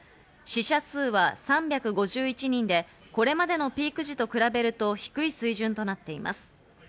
死者数は３５１人でこれまでのピーク時と比べると低い水準となっています。